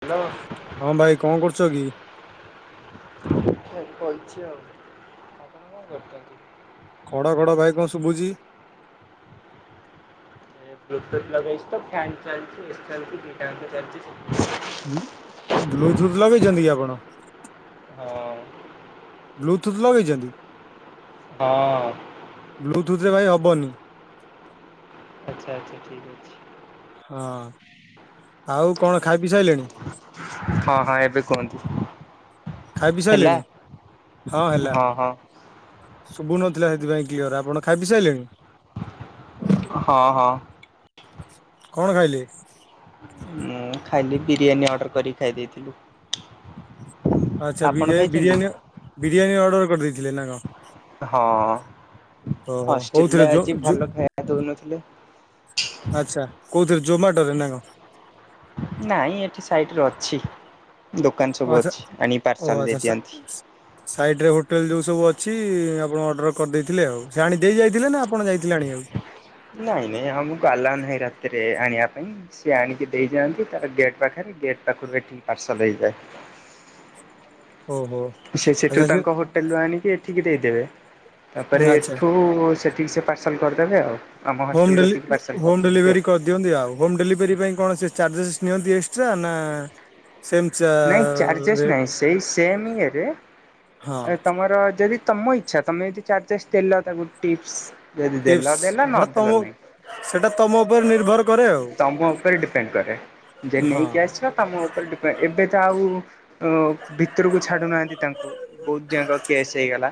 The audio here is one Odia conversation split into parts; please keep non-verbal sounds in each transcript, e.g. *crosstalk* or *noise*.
ହ୍ୟାଲୋ ହଁ ଭାଇ, କଣ କରୁଛ କି? ବଇଛି ଆଉ ଆପଣ କଣ କରୁଛନ୍ତୀ। ଖଡ ଖଡ ଭାଇ କଣ ଶୁଭୁଛି। ବ୍ଲୁଟୁଥ୍ ଲଗେଇଛି ତ। ଫ୍ୟାନ୍ ଚାଲିଛି ଏସି ଚାଲିଛି, ଦୁଇଟା ଚାଲିଛି। ବ୍ଲୁ- ବ୍ଲୁଟୁଥ ଲଗେଇଛନ୍ତି କି ଆପଣ? ହଁ। ବ୍ଲୁଥୁଥ୍ ଲଗେଇଛନ୍ତି? ହଁ। ବ୍ଲୁଟୁଥରେ ଭାଇ ହବନି। ଆଚ୍ଛା ଆଚ୍ଛା, ଠିକ୍ ଅଛି। ହଁ। ଆଉ କଣ, ଖାଇ ପି ସାଇଲେଣି? ହଁ ହଁ ଏବେ କୁହନ୍ତୁ ଖାଇ ପି ହେଲା ସାରିଲିଣି। ହଁ ହେଲା। ଶୁଭୁନଥିଲା ସେଥିପାଇଁ କ୍ଲିଅର, ଆପଣ ଖାଇ ପି ସାଇଲେଣି। ହଁ ହଁ। କଣ ଖାଇଲେ? ଖାଲି ବିରିୟାନୀ ଅର୍ଡ଼ର କରିକି ଖାଇ ଦେଇେଥିଲୁ। ଆଛା ବିରିୟା ବିରିୟାନୀ ବିରିୟାନୀ ଅର୍ଡର କରିଦେଇଥିଲେ ନା କଣ? ହଁ ଓହୋ କୋଉଥିରେ ଅଷ୍ଟ୍ରେଲିଆ ଜୋ ଆଜି ଜୋ ଭଲ ଖେଇବା ଦଉନଥିଲେ। ଆଚ୍ଛା କୋଉଥିରେ ଜୋମାଟୋ ରେ ନା କ? ନାଇଁ ଏଠି ସାଇଟରେ ଅଛି। ଦୋକାନ ଓ ସବୁ ଆଚ୍ଛା ଅଛି ଆଣିକି ଓ ପାର୍ସଲ ଆଚ୍ଛା ଦେଇ ସା ଦିଅନ୍ତି। ସାଇଡ ରେ ହୋଟେଲ ଯୋଉ ସବୁ ଅଛି ଆପଣ ଅର୍ଡର କରିଦେଇଥିଲେ ଆଉ ସେ ଆଣି ଦେଇ ଯାଇଥିଲେ ନା ଆପଣ ଯାଇଥିଲେ ଆଣିବା କୁ? ନାଇଁ ନାଇଁ ଆମକୁ ଆଲଓ ନାହିଁ ରାତିରେ ଆଣିବା ପାଇଁ ସିଏ ଆଣିକି ଦେଇଯାଆନ୍ତି ତାର ଗେଟ୍ ପାଖରେ ଗେଟ୍ ପାଖରୁ ଏଠିକି ପାର୍ସଲ ହେଇଯାଏ। *inaudible* ଓହୋ ସେ ସେଠୁ ତାଙ୍କ ହୋଟେଲ ରୁ ଆଣିକି ଠିକି ଦେଇଦେବେ ତାପରେ ଆଚ୍ଛା ଏଠୁ ସେଠିକି ସେ ପାର୍ସଲ୍ କରିଦେବେ ଆଉ। ଆମ ହଷ୍ଟେଲ ହୁମ କତିକି ପାର୍ସଲ ହୋମ କରିଦିଅନ୍ତି ଆଉ। ଡେଲିଭରି କରିଦିଅନ୍ତି ଆଉ ହୋମ ଡେଲିଭରି ପାଇଁ କୌଣସି ଚାର୍ଜେସ୍ ନିଅନ୍ତି। ନା ସେମ୍ ଚା ନାଇଁ ଚାର୍ଜେସ୍ ରେଟ୍ ନାହିଁ ସେଇ ସେମ ହଁ ଇଏରେଏ ତମର ଯଦି ତମ ଇଚ୍ଛା ତମେ ଯଦି ଚାର୍ଜେସ୍ ଦେଲ ତାକୁ ଟିପ୍ସ ଯଦି ଟିପ୍ସ ଦେଲ ଦେଲ ସେଟା ନ ତମ ଦେଲ ନାଇଁ। ସେଟା ତମ ଉପରେ ନିର୍ଭର କରେ ଆଉ ତମ ଉପରେ ଡିପେଣ୍ଡ କରେ ଯେ ହଁ। ନେଇକି ଆସିବା ତମ ଉପରେ ଡିପେଣ୍ଡ ଏବେ ତ ଆଉ ଅ ଭିତରକୁ ଛାଡୁନାହାନ୍ତି ତାଙ୍କୁ ବହୁତ ଯାକ କେସ୍ ହେଇଗଲା।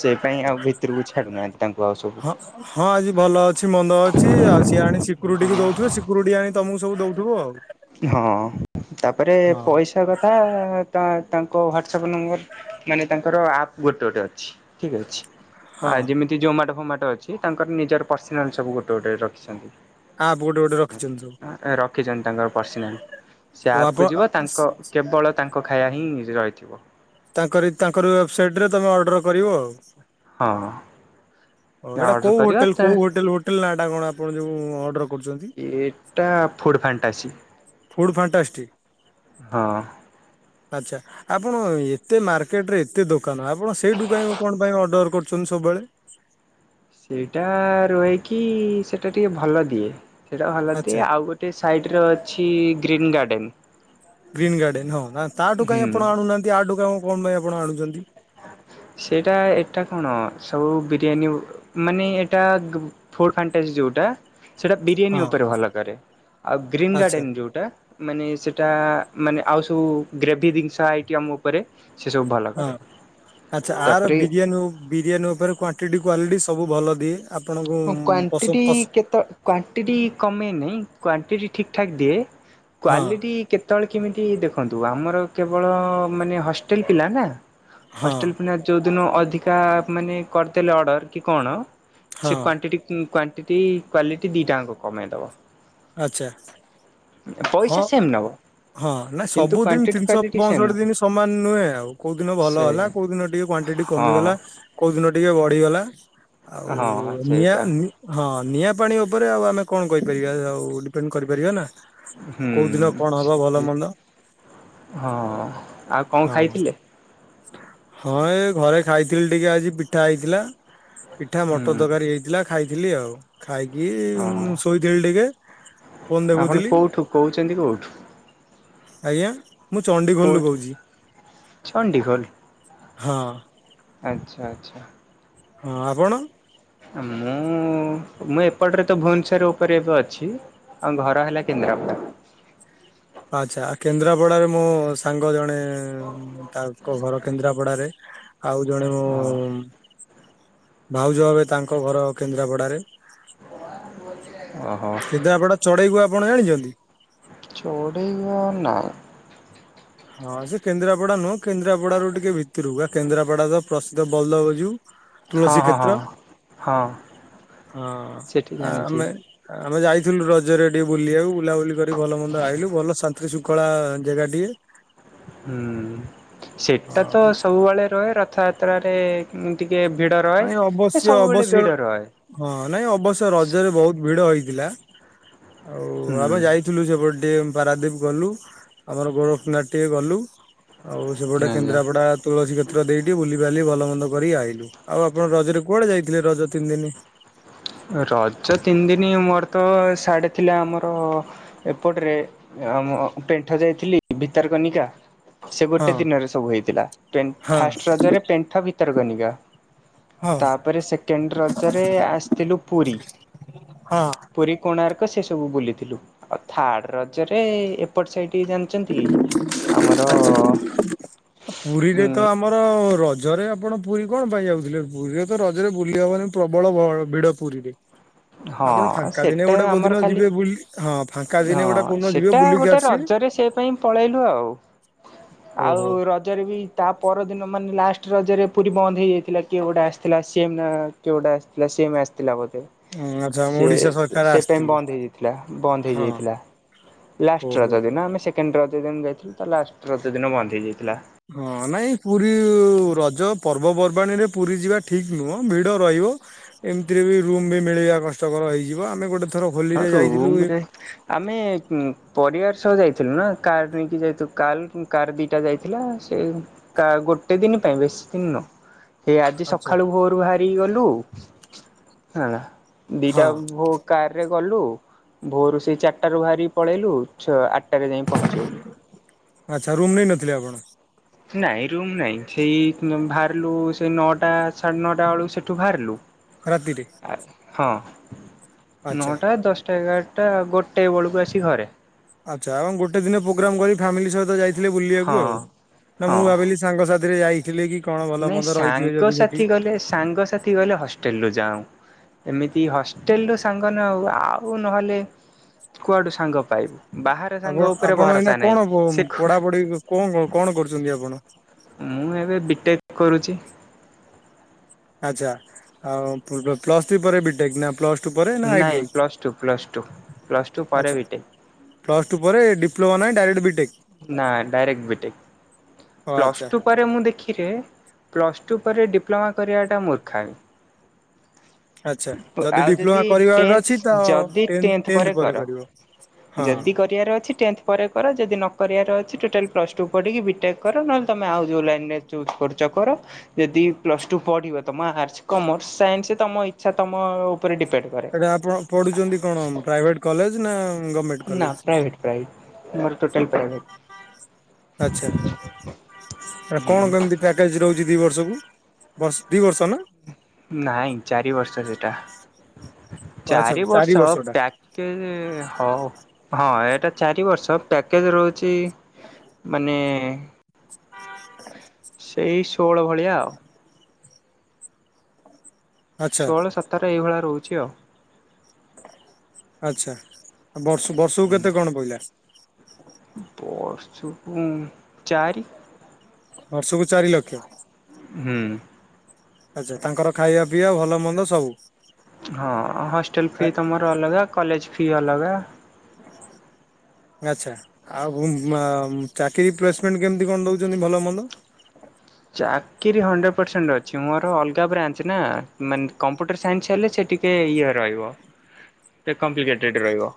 ସେଇ ପାଇଁ ଆଉ ଭିତରକୁ ଛାଡୁନାହାନ୍ତି ତାଙ୍କୁ ଆଉ ସବୁ। ହଁ ହଁ ଆଜି ଭଲ ଅଛି ମନ୍ଦ ଅଛି ଆଉ ସିଏ ଆଣି ସିକ୍ୟୁରିଟି କୁ ଦଉଥିବ ସିକ୍ୟୁରିଟି ଆଣି ତମକୁ ସବୁ ଦଉଥିବ ଆଉ। ହଁ ତାପରେ ହଁ ପଇସା କଥା ତ ତାଙ୍କ ହ୍ଵାଟସପ୍ ନମ୍ବର ମାନେ ତାଙ୍କର ଆପ୍ ଗୋଟେ ଗୋଟେ ଅଛି। ଠିକ ଅଛି, ଆ ହଁ ଯେମିତି ଜମାଟ ଫମାଟ ଅଛି ତାଙ୍କର ନିଜର ପର୍ସନାଲ ସବୁ ଗୋଟେ ଗୋଟେ ରଖିଛନ୍ତି। ଆପ୍ ଗୋଟେ ଗୋଟେ ରଖିଛନ୍ତି ସବୁ ରଖିଛନ୍ତି ତାଙ୍କର। ସେ ଓ ଆପଣ ଆପକୁ ଯିବ ତାଙ୍କ କେବଳ ତାଙ୍କ ଖାଇବା ହିଁ ରହିଥିବ। ତାଙ୍କର ତାଙ୍କର ୱେବସାଇଟ ରେ ତମେ ଅର୍ଡର କରିବ ଆଉ। ହଁ। ହ ଏଟା ଅର୍ଡ଼ର କୋଉ କରିବା ହୋଟେଲ ତା କୋଉ ହୋଟେଲ ହୋଟେଲ ନା ଟା କଣ ଆପଣ ଯୋଉ ଅର୍ଡର କରୁଛନ୍ତି? ଏଟା ଫୁଡ଼୍ ଫାଣ୍ଟାସି। ଫୁଡ଼୍ ଫାଣ୍ଟାଷ୍ଟଟି। ହଁ। ଆଚ୍ଛା ଆପଣ ଏତେ ମାର୍କେଟ ରେ ଏତେ ଦୋକାନ ଆପଣ ସେଇ କାଇଁ କଣ ପାଇଁ ଅର୍ଡର କରୁ? ଛନ୍ତି ସବୁବେଳେ। ସେଇଟା ରୁହେକି ସେଟା ଟିକେ ଭଲ ଦିଏ। ସେଇଟା ଭଲ ଦି ଆଚ୍ଛା। ଆଉ ଗୋଟେ ସାଇଡ ଅଛି, ଗ୍ରୀନ୍ ଗାର୍ଡେନ ଗ୍ରୀନ୍ ଗାର୍ଡେନ ହଁ ନା ତାଠୁ କାଇଁ ଆପଣ ଆଣୁନାହାନ୍ତି ଆଠୁ କାଇଁ କଣ ପାଇଁ ଆପଣ ଆଣୁଛନ୍ତି? ସେଟା ଏଟା କଣ ସବୁ ବିରିୟାନୀ ଉ ମାନେ ଏଟା ଗୁ ଫୁଡ଼ ଫଣ୍ଟାସି ଯୋଉ ଟା ସେଟା ହଁ ବିରିୟାନୀ ଉପରେ ଭଲ କରେ ଆଉ ଗ୍ରୀନ ଆଚ୍ଛା। ଗଡେନ ଯୋଉଟା ମାନେ ସେଇଟା ମାନେ ଆଉ ସବୁ ଗ୍ରେଭି ଜିନିଷ ଆଇଟିମ୍ ଉପରେ ସେ ସବୁ ଭଲ ହଁ କରେ। ଆଚ୍ଛା ଆର ତାପରେ ବିରିୟାନୀ ହୋଉ ବିରିୟାନୀ ଉପରେ କ୍ଵାଣ୍ଟିଟି କ୍ୱାଲିଟି ସବୁ ଭଲ ଦିଏ। ଆପଣଙ୍କୁ ହଁ ପସନ୍ଦ କ୍ଵାଣ୍ଟିଟି ପସ କେତେ କ୍ଵାଣ୍ଟିଟି କମେ ନି କ୍ଵାଣ୍ଟିଟି ଠିକ୍ ଠାକ୍ ଦିଏ। ହଁ କ୍ଵାଲିଟି କେତେବେଳେ କେମିତି ଦେଖନ୍ତୁ ଆମର କେବଳ ମାନେ ହଷ୍ଟେଲ ପିଲା ନା--କି ହଁ ହଷ୍ଟେଲ ପିଲା ଯୋଉ ଦିନ ଅଧିକା ମାନେ କରିଦେଲେ ଅର୍ଡର କି କଣ ହଁ ସେ କ୍ଵାଣ୍ଟିଟ କ୍ଵାଣ୍ଟିଟି କ୍ୱାଲିଟି ଦି ଟା କମେଇଦବ। ଆଚ୍ଛା। ହଁ ପଇସା ସେମ୍ ନବ। ହଁ ନାଇଁ ସବୁଦିନ ତିନିଶହ ସେମ୍ ପଅଷଠି ନୁହଁ। ଦିନ ସମାନ ନୁହେଁ ଆଉ କୋଉ ଦିନ ଭଲ ସେ ହେଲା କୋଉ ଦିନ ଟିକେ କ୍ୱେଇଣ୍ଟଡ ହଁ। କମିଗଲା କୋଉ ଦିନ ଟିକେ ବଢିଗଲା ଆଉ ହଁ ନିଆ ସେଇଟା ନି ହଁ ନିଆଁ ପାଣି ଉପରେ ଆଉ ଆମେ କଣ କହିପାରିବା ଆଉ ଡିପେଣ୍ଡ କରିପାରିବା ନା ହୁଁ କୋଉ ଦିନ କଣ ହବ ଭଲ ସେ ମନ୍ଦ ହଁ ଆଉ କଣ ହଁ ଖାଇଥିଲେ? ହଁ ଏ ଘରେ ଖାଇଥିଲି ଟିକେ ଆଜି ପିଠା ହେଇଥିଲା। ପିଠା ହୁଁ ମଟର ତରକାରୀ ହେଇଥିଲା ଖାଇଥିଲି ଆଉ ଖାଇକି ହଁ। ଶୋଇଥିଲି ଟିକେ ଫୋନ ଆପଣ ଦେଖୁଥିଲି କୋଉଠୁ କହୁଛନ୍ତି କୋଉଠୁ? ଆଜ୍ଞା ମୁଁ ଚଣ୍ଡିଗୋଲୁ କୋଉଠୁ କହୁଛି ଚଣ୍ଡିଖୋଲ ହଁ। ଆଚ୍ଛା ଆଚ୍ଛା। ହଁ ଆପଣ? ମୁଁ ମୁଁ ଏପଟରେ ତ ଭୁବନେଶ୍ୱର ଉପରେ ଏବେ ଅଛି। ଆଉ ଘର ହେଲା କେନ୍ଦ୍ରାପଡ଼ା। ଆଛା କେନ୍ଦ୍ରାପଡାରେ ମୋ ସାଙ୍ଗ ଜଣେ ତାଙ୍କ ଘର କେନ୍ଦ୍ରାପଡାରେ ଆଉ ଜଣେ ମୁଁ ହଁ ଭାଉଜ ଭବେ ତାଙ୍କ ଘର କେନ୍ଦ୍ରାପଡାରେ। ଆହୁ କିନ୍ତୁ ଆପଣ ଚଢେଇକୁ ଆପଣ ଜାଣିଛନ୍ତି? ଚଡ଼େଇ ଘର୍ ନା। ହଁ ସେ କେନ୍ଦ୍ରାପଡା ନୁହଁ କେନ୍ଦ୍ରାପଡା ରୁ ଟିକେ ଭିତରକୁ ବା କେନ୍ଦ୍ରାପଡା ତ ପ୍ରସିଦ୍ଧ ବଲଭ ଯୋଉ ହଁ ତୁଳସୀ ହଁ କ୍ଷେତ୍ର ହଁ ହଁ ହଁ ସେଠି ଆ ଜାଣିଛି ଆମେ- ଆମେ ଯାଇଥିଲୁ ରଜରେ ଟିକେ ବୁଲିବାକୁ ବୁଲାବୁଲି କରି ଭଲ ମନ୍ଦ ଆଇଲୁ ଭଲ ଶାନ୍ତି ଶାନ୍ତି ଶୃଙ୍ଖଳା ଜାଗାଟିଏ। ହୁଁ ସେଟା ତ ହଁ ସବୁବେଳେ ରହେ ରଥଯାତ୍ରାରେ ଟିକେ ଭିଡ଼ ରହେ। ନାଇଁ ଏ ଅବଶ୍ୟ ସବୁବେଳେ ଅବଶ୍ୟ ଭିଡ଼ ରହେ ହଁ ନାଇଁ ଅବଶ୍ୟ ରଜରେ ବହୁତ ଭିଡ ହେଇ ଥିଲା ଆଉ ହୁଁ ଆମେ ଯାଇଥିଲୁ ସେପଟେ ଟିକେ ପାରାଦୀପ ଗଲୁ ଆମର ଗୋରଖନାଥ ଟିକେ ଗଲୁ। ଆଉ ସେପଟେ ଆଜ୍ଞା। କେନ୍ଦ୍ରାପଡା ତୁଲସୀ କ୍ଷେତ୍ର ଦେଇି ବୁଲିିବାଲି ଭଲ ମନ୍ଦ କରିକି ଆଇଲୁ। ଆଉ ଆପଣ ରଜରେ କୁଆଡେ ଯାଇଥିଲେ ରଜ ତିନି ଦିନ? ରଜ ତିନି ଦିନ ମୋର ତ ସିଆଡ଼େ ଥିଲା ଆମର ଏପଟ ରେ ଆ ମୁଁ ପେଣ୍ଠ ଯୋଉ ଥିଲି ଭିତରକନିକା। ସେ ହଁ ଗୋଟେ ଦିନରେ ସବୁ ହେଇଥିଲା ପ ହଁ ଫାଷ୍ଟ ରଜରେ ପେଣ୍ଠ ଭିତର୍କନିକା। ହଁ ତାପରେ ସେକେଣ୍ଡ ରଜରେ ଆସି ଲୁ ପୁରୀ ହଁ। ପୁରୀ କୋଣାର୍କ। ସେ ସବୁ ବୁଲିଥିଲୁ ଆଉ ଥାର୍ଡ ରଜରେ ଏପଟ ସାଇଡ଼ି ଜାଣିଛନ୍ତି ଆମର ଆଚ୍ଛା। ପୁରୀରେ ଉଁ ତ ଆମର ର ରଜରେ ଆପଣ ପୁରୀ କଣ ପାଇଁ ଯାଉଥିଲେ ପୁରୀରେ ତ ରଜରେ ବୁଲି ହବନି ପ୍ରବଳ ଗ ଭିଡ ପୁରୀରେ। ହଁ ଆପଣ ଫାଙ୍କା ଦିନେ ସେଟା ଗୋଟେ ଆମର କୋଉଦିନ ଖାଲି ଯିବେ ବୁଲି ହଁ ଫାଙ୍କା ହଁ ଦିନେ ଗୋଟେ କୋଉଦିନ ଯିବେ ସେଟା ବୁଲିକି ଗୋଟେ ଆସିବେ। ରଜରେ ସେ ପାଇଁ ପଳେଇଲୁ ଆଉ ଓହୋ ଆଉ ରଜରେ ବି ତା ପରଦିନ ମାନେ ଲାଷ୍ଟ ରଜରେ ପୁରୀ ବନ୍ଦ ହେଇଯାଇଥିଲା କିଏ ଗୋଟା ଆସିଥିଲା ସି ଏମ୍ କିଏ ଗୋଟେ ଆସିଥିଲା। ସି ଏମ୍ ଆସି ଥିଲା ବୋଧେ। ଆଚ୍ଛା ଆମ ସେ ଓଡିଶା ସରକାର ସେ ପାଇଁ ଆସିଥିଲେ ବନ୍ଦ ହେଇଯାଇଥିଲା ବନ୍ଦ ହଁ ହେଇଯାଇଥିଲା। ଲାଷ୍ଟ ଓହୋ। ରଜ ଦିନ ଆମେ ସେକେଣ୍ଡ ରଜ ଦିନ ଯାଇଥିଲୁ ତା ଲାଷ୍ଟ ରଜ ଦିନ ବନ୍ଦ ହେଇଯାଇଥିଲା। ହଁ ନାଇଁ ପୁରୀ ରଜ ପର୍ବପର୍ବାଣୀରେ ପୁରୀ ଯିବା ଠିକ ନୁହଁ ଭିଡ ରହି ରହିବ ଏମିତିରେ ବି ରୁମ ବି ମିଳିବା କଷ୍ଟକର ହେଇଯିବ ଆମେ ଗୋଟେ ଥର ହଁ ହୋଲିରେ ଯାଇଥିଲୁ ଏ ରୁମରେ ଆମେ ପରିବାର ସହ ଯାଇ ଥିଲୁ ନା କାର ନେଇକି ଯାଇଥିଲୁ କାର କାର ଦିଟା ଯାଇଥିଲା ସେ କ ଗୋଟେ ଦିନ ପାଇଁ ବେଶି ନ ସେ ଆଜି ଆଚ୍ଛା। ସକାଳୁ ଭୋରୁ ବାହାରିକି ଗଲୁ ହେଲା ହଁ ଦିଟା ଭୋ କାରରେ ଗଲୁ ଭୋରୁ ସେଇ ଚାରିଟା ରୁ ବାହାରି ପଳେଇଲୁ ଚ ଆଠଟା ଯାଇ ପହଞ୍ଚିଗଲୁ। ଆଚ୍ଛା ରୁମ୍ ନେଇ ନଥିଲେ ଆପଣ ନାଇଁ ରୁମ ନାଇଁ ସେଇ ବାହାରିଲୁ ସେ ନଅଟା ସାଢେ ନଅଟା ବେଳୁ ସେଠୁ ବାହାରିଲୁ। ରାତିରେ। ହଁ ଆଚ୍ଛା ନଅଟା ଦଶଟା ଏଗାରଟା ଗୋଟେ ବେଳକୁ ଆସିିକି ଘରେ। ଆଚ୍ଛା ଏବଂ ଗୋଟେ ଦିନ ପ୍ରୋଗ୍ରାମ କରି ଫ୍ୟାମିଲି ସହିତ ଯାଇଥିଲେ ବୁଲିବାକୁ ହଁ ଆଉ ନା ମୁଁ ଭାବିଲି ସାଙ୍ଗସାଥି ନାଇ ଯଦି ସେଠି। ସାଙ୍ଗସାଥି ଗଲେ ସାଙ୍ଗସଥି ଗଲେ ହଷ୍ଟେଲ ରୁ ଯାଉ। ଏମିତି ହଷ୍ଟେଲ୍ ର ସାଙ୍ଗ ନେଉ ଆଉ ନହେଲେ କୁଆଡ଼ୁ ସାଙ୍ଗ ପାଇବୁ? ବାହାର ସାଙ୍ଗ ଆପଣ ଉପରେ ଆପଣ ଏଇନା ଭରସା ନାହିଁ କଣ ସେ ଖୁ ପଢାପଢି କଣ କଣ କରୁଛନ୍ତି ଆପଣ? ମୁଁ ଏବେ ବିଟେକ କରୁଛି। ଆଚ୍ଛା ଆଉ ପ୍ଲସ ଥ୍ରୀ ପରେ ବିଟେକ୍ ନା ପ୍ଲସ୍- ପରେ ନା ଆଇଟି ନାଇଁ ଆଇ। Plus two plus two. Plus two ପରେ ଆଛା ବିଟେକ୍ ପ୍ଲସ ଟୁ ପରେ ଡି - ନା ଡାଇରେକ୍ଟ ବିଟେକ? ନା ଡାଇରେକ୍ଟ ବିଟେକ ଓ ପ୍ଲସ୍ ଆଚ୍ଛା ଟୁ ପରେ ମୁଁ ଦେଖ ପ୍ଲସ୍ ଟୁ ପରେ ଡିପ୍ଲୋମା କରିବାଟା ମୂର୍ଖାମି। ଆଚ୍ଛା ଆଉ ଡିପ୍ଲୋମା ଯଦି କରିବାର ଅଛି ତ ଟେନ୍ଥ ଯଦି ଟେନ୍ଥ ପରେ କର। ହଁ ଯଦି କରିବାର ଅଛି ଟେନ୍ଥ ପରେ କର ଯଦି ନ କରିବାର ଅଛି ଟୋଟାଲ୍ ପ୍ଲସ୍ ଟୁ ପଢିକି ବିଟେକ୍ କର ନହେଲେ ତମେ ଆଉ ଯଉ ଲାଇନ ରେ ଚୁଜ୍ କରୁଛ। କର ଯଦି ପ୍ଲସ୍ ଟୁ ପଢିବ ତମ ଆର୍ଟସ କମର୍ସ ସାଇନ୍ସ ତମ ଇଛା ତମ ଉପରେ ଡିପେଣ୍ଡ କରେ। ଏଟା ଆପଣ ପଢୁଛନ୍ତି କଣ ପ୍ରାଇଭେଟ କଲେଜ ନା ଗଭମେଣ୍ଟ ନା କଲେଜ? ପ୍ରାଇଭେଟ୍ ପ୍ରାଇଭେଟ୍ ମୋର ଟୋଟାଲ୍ ପ୍ରାଇଭେଟ୍। ଆଚ୍ଛା। ହୁଁ। କଣ କେମତି ପ୍ୟାକେଜ ରହୁଛି ଦି ବର୍ଷକୁ ଦି ବର୍ଷ ନା? ନାଇଁ ଚାରି ବର୍ଷ ସେଟା। ଓ ଆଚ୍ଛା ଚାରି ବର୍ଷ ଟା ପ୍ୟାକେଜ ହ ହଁ। ଏଟା ଚାରି ବର୍ଷ ପ୍ୟାକେଜ ରହୁଛି ମାନେ ସେଇ ଷୋଳ ଭଳିଆ ଆଉ। ଆଚ୍ଛା ଷୋହଳ ସତର ଏଇଭଳିଆ ରହୁଛି ଆଉ। ଆଛା ବର୍ଷ ବର୍ଷକୁ କେତେ କଣ ପଡିଲା? ବର୍ଷକୁ ଚାରି ବର୍ଷକୁ ଚାରି ଲକ୍ଷ। ହୁଁ। ଆଚ୍ଛା ତାଙ୍କର ଖାଇବା ପିଇବା ଭଲ ମନ୍ଦ ସବୁ ହଁ ହଷ୍ଟେଲ ଫି ଖାଇ ତମର ଅଲଗା କଲେଜ ଫି ଅଲଗା। ଆଛା ଆଉ ଚାକିରି ପ୍ଲେସମେଣ୍ଟ କେମତି କଣ ଦଉଛନ୍ତି ଭଲ ମନ୍ଦ। *inaudible* ଚାକିରି ହଣ୍ଡ୍ରେଡ଼୍ ପରସେଣ୍ଟ ଅଛି ମୋର ଅଲଗା ବ୍ରାଞ୍ଚ ନା ମାନେ କମ୍ପ୍ୟୁଟର ସାଇନ୍ସ ହେଲେ ସେ ଟିକେ- ଇ ରହିବ। *inaudible* ଏ କମ୍ପ୍ଲିକେଟେଡ଼୍ ରହିବ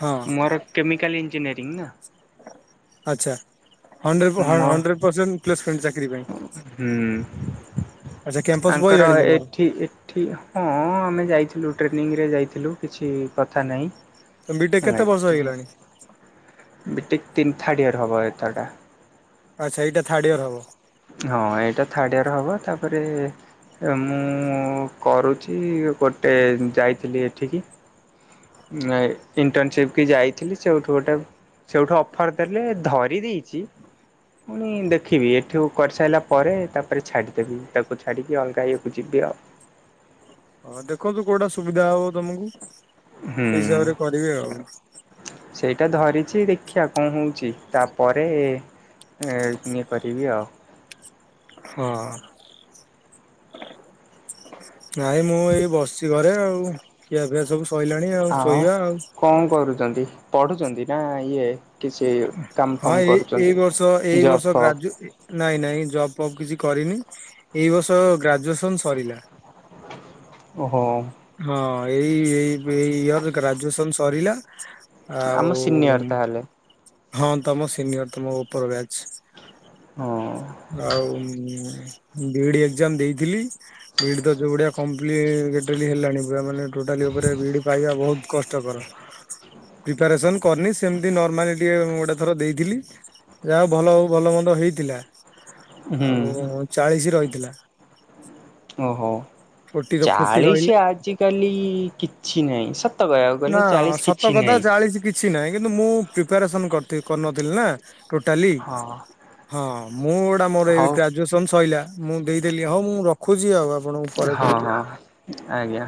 ହଁ ମୋର କେମିକାଲ୍ ଇଞ୍ଜିନିୟରିଂ ନା। ଆଚ୍ଛା। ମୋ ହଣ୍ଡ୍ରେଡ ପରସେଣ୍ଟ ପ୍ଲେସମେଣ୍ଟ ଚାକିରି ପାଇଁ। ଆଚ୍ଛା କ୍ୟାମ୍ପସ ତାଙ୍କର ପଇଲାଣି ତମର ଏଠି ଏଠି ହଁ ଆମେ ଯାଇ- ଥିଲୁ ଟ୍ରେନିଂରେ ଯାଇଥିଲୁ କିଛି କଥା ନାହିଁ। ବିଟେକ ହେଲା କେତେ ବର୍ଷ ହେଇଗଲାଣି? ଏ ତିନ ଥାର୍ଡ଼ ୟେର ହେବ ଏଥରଟା। ଆଚ୍ଛା ଏଇଟା ଥାର୍ଡ ଇୟର ହବ। ସେଇଟା ଥାର୍ଡ଼ ଇୟର ହେବ ତାପରେ। ଏ ମୁଁ କରୁଛି ଗୋଟେ ଯାଇଥିଲି ଏଠିକି। ଇଣ୍ଟର୍ନସିପ କି ଯାଇଥିଲି ସେଉଠୁ ଗୋଟେ। ସେଉଠୁ ଅଫର ଦେଲେ ଧରି ଦେଇଛି। ପୁଣି ଦେଖିବି ଏଠୁ କରିସାରିଲା ପରେ ତାପରେ ଛାଡ଼ିଦେବି ତାକୁ ଛାଡ଼ିକି ଅଲଗା ହେଇବାକୁ ଯିବି ଆଉ। ହଁ ଦେଖନ୍ତୁ କୋଉଟା ସୁବିଧା ହବ ତମକୁ। ସେଇ ହୁଁ। ହିସାବ ରେ କରିବି ଆଉ। ସେଇଟା ଧରିଛି ଦେଖିବା କଣ ହଉଛି ତାପରେ- ଏ ଇଏ କରିବି ଆଉ। ହଁ। ନାଇଁ ମୁଁ ଏଇ ବସିଛି ଘରେ ଆଉ ଖିଆ ଫିଆ ସବୁ- ସଇଲାଣି ଆଉ ହଁ ଶୋଇବା ଆଉ କଣ କରୁଛନ୍ତି ପଢୁଛନ୍ତି ନା ଇଏ କିଛି କାମ ହଁ ଫାମ ଏଇ ଏଇ କରୁଛନ୍ତି? ବର୍ଷ ଏଇ ଜବ୍ ବର୍ଷ ଫବ୍ ଗ୍ରାଜୁ ନାଇଁ ନାଇଁ ଜବ୍ବ୍ କିଛି କରିନି ଏଇ ବର୍ଷ ଗ୍ରାଜୁଏସନ ସରିଲା। ଓହୋ ହଁ ଏଇ ଏ ଏଇ ଇୟର ଗ୍ରାଜୁଏସନ ସରିଲା। ଆମ ଆଉ ସିନିୟର ତାହେଲେ ହଁ ତମ ସିନିୟର ତମ ଉପର ବ୍ୟାଚ ହଁ ଆଉ। ବିଡି ଏକ୍ଜାମ ଦେଇଥିଲି ବିଇଡି ତ ଯୋଉଭଳିଆ କମ୍ପ୍ଲିଟ ହେଲାନି ପୁରା ମାନେ ଟୋଟାଳି ଉପରେ ବି ଡ଼ି ପାଇବା ବାହୁତ କଷ୍ଟ କର, ପ୍ରିପାରେଶନ କରନି ସେମିତି ନର୍ମାଲି ଟିକେ ଗୋଟେ ଥର ଦେଇଥିଲି ଯାହା ଭଲ ଭଲ ମନ୍ଦ ହେଇଥିଲା। ହୁଁ। ଆଉ ଚାଳିଶ ରହିଥିଲା। ଓହୋ ଫୋର୍ଟି ଫୋର୍ଟି ରହିଲେ ଚାଳିଶ ଆଜିକାଲି କିଛି ନାହିଁ ସତ କହିବାକୁ ନା ଗଲେ ଚାଳିଶ କିଛି ସତ କଥା ନାହିଁ। ଚାଳିଶ କିଛି ନାହିଁ କିନ୍ତୁ ମୁଁ ପ୍ରିପାରେସନ କରିନଥିଲି ନା। ଟୋଟାଲି ହଁ ହଁ ମୁଁ ଗୁଟା ମୋର ଏ ହଉ ଗ୍ରାଜୁଏସନ ସରିଲା। ମୁଁ ଦେଇଦେଲି ହଉ ମୁଁ ରଖୁଛି ଆଉ ଆପଣଙ୍କୁ ପରେ ହଁ କହିବି ଆଉ। ହଁ ଆଜ୍ଞା।